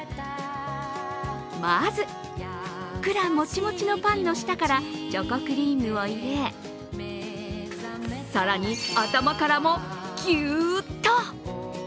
まず、ふっくらもちもちのパンの下からチョコクリームを入れ更に頭からもギュっと。